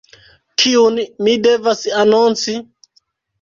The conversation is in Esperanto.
Kiun mi devas anonci?